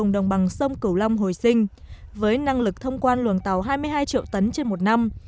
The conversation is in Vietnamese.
đồng bằng sông cửu long hồi sinh với năng lực thông quan luồng tàu hai mươi hai triệu tấn trên một năm